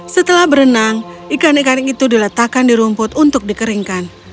setelah berenang ikan ikan itu diletakkan di rumput untuk dikeringkan